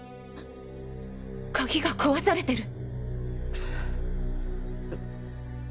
鍵が壊されてる！